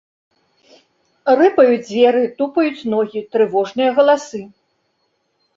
Рыпаюць дзверы, тупаюць ногі, трывожныя галасы.